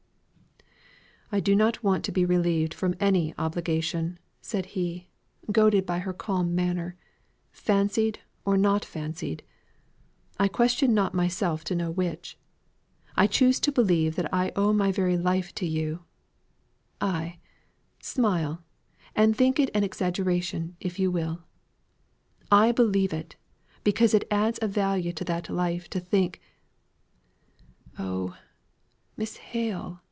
"I do not want to be relieved from any obligation," said he, goaded by her calm manner. "Fancied, or not fancied I question not myself to know which I choose to believe that I owe my very life to you ay smile, and think it an exaggeration if you will. I believe it, because it adds a value to that life to think oh, Miss Hale!"